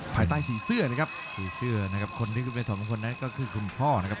ภายใต้สีเสื้อนะครับคนที่ขึ้นไปถอดมงคลนั้นคือคุณพ่อนะครับ